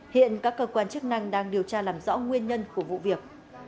hiện các cơ quan chức năng đang điều tra làm rõ nguyên nhân của vụ việc